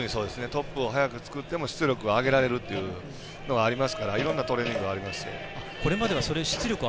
トップを早く作っても出力は上げられるというのがありますからいろんなトレーニングがあります。